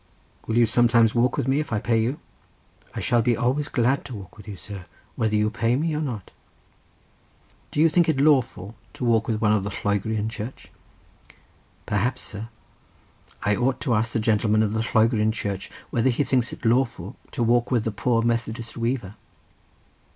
"Will you sometimes walk with me, if I pay you?" "I shall be always glad to walk with you, sir, whether you pay me or not." "Do you think it lawful to walk with one of the Lloegrian Church?" "Perhaps, sir, I ought to ask the gentleman of the Lloegrian Church whether he thinks it lawful to walk with the poor Methodist weaver."